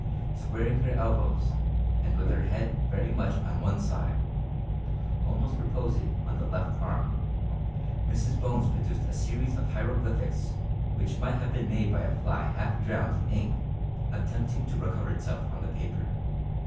Squaring her elbows, and with her head very much on one side almost reposing on the left arm Mrs Bones produced a series of hieroglyphics which might have been made by a fly half drowned in ink attempting to recover itself on the paper.